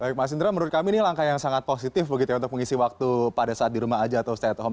baik mas indra menurut kami ini langkah yang sangat positif begitu ya untuk mengisi waktu pada saat di rumah aja atau stay at home